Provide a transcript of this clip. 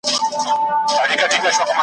چې دوزخ يې دروازه ده